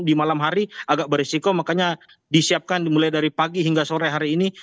di malam hari agak beresiko makanya disiapkan mulai dari pagi hingga sore hari ini